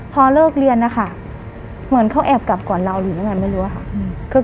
พอเลิกเรียนนะคะเหมือนเขาแอบกลับก่อนเราหรือยังไงไม่รู้ค่ะ